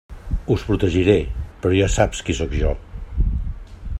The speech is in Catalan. Us protegiré, però ja saps qui sóc jo.